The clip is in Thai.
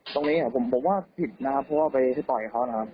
ตรงนี้ผมบอกว่าผิดนะครับเพราะว่าไปต่อยเขานะครับ